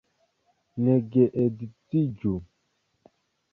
Ne geedziĝu.